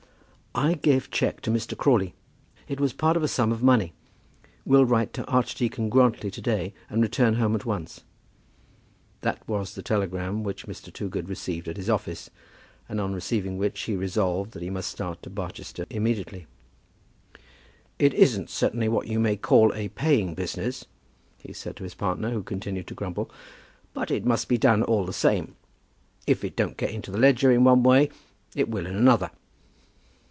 "I gave cheque to Mr. Crawley. It was part of a sum of money. Will write to Archdeacon Grantly to day, and return home at once." That was the telegram which Mr. Toogood received at his office, and on receiving which he resolved that he must start to Barchester immediately. "It isn't certainly what you may call a paying business," he said to his partner, who continued to grumble; "but it must be done all the same. If it don't get into the ledger in one way it will in another."